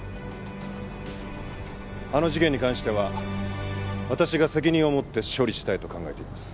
あの事件に関しては私が責任を持って処理したいと考えています。